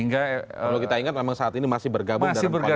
kalau kita ingat memang saat ini masih bergabung dalam koalisi